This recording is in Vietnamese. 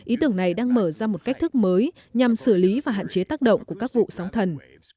ý tưởng này đang mở ra một cách thức mới nhằm xử lý và hạn chế tác động của các vụ sóng thần